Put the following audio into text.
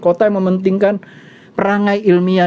kota yang mementingkan perangai ilmiah